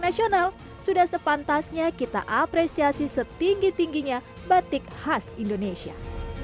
nasional sudah sepantasnya kita apresiasi setinggi tingginya batik khas indonesia